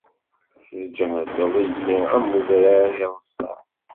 Tesǧehdeḍ-iyi am udrar ireṣṣan.